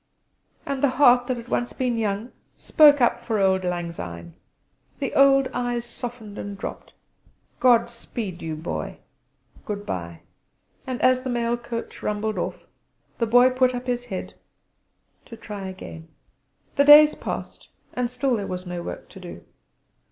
And the heart that had once been young spoke up for Auld Lang Syne: the old eyes softened and dropped: "God speed you Boy Good bye!" And as the mail coach rumbled off the Boy put up his head to try again. The days passed, and still there was no work to do.